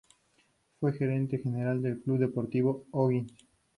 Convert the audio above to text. Fue gerente general del Club Deportivo O'Higgins.